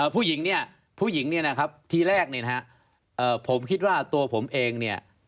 ผู้หญิงเนี่ยผู้หญิงเนี่ยนะครับทีแรกเนี่ยนะฮะผมคิดว่าตัวผมเองเนี่ย